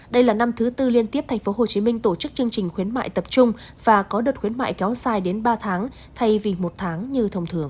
đây là năm thứ tư liên tiếp tp hcm tổ chức chương trình khuyến mại tập trung và có đợt khuyến mại kéo dài đến ba tháng thay vì một tháng như thông thường